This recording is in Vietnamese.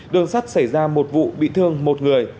đường sắt xảy ra một vụ bị thương một người